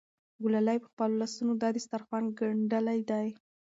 ګلالۍ په خپلو لاسونو دا دسترخوان ګنډلی دی.